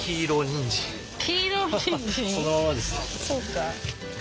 そうか。